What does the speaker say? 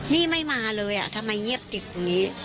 นี่ไม่มาเลยทำไมเงียบติดตรงนี้